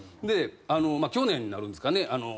で去年になるんですかね